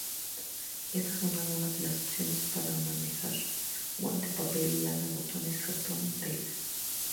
Estas son algunas opciones para manejar: Guante, papel, lana, botones, cartón, tela.